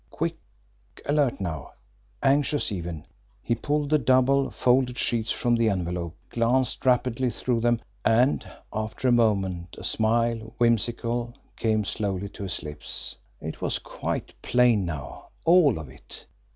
Quick, alert now, anxious even, he pulled the double, folded sheets from the envelope, glanced rapidly through them and, after a moment, a smile, whimsical, came slowly to his lips. It was quite plain now all of it.